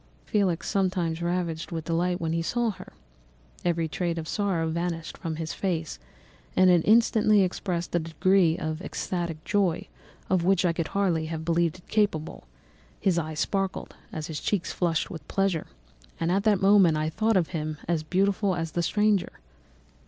"Felix seemed ravished with delight when he saw her, every trait of sorrow vanished from his face, and it instantly expressed a degree of ecstatic joy, of which I could hardly have believed it capable; his eyes sparkled, as his cheek flushed with pleasure; and at that moment I thought him as beautiful as the stranger.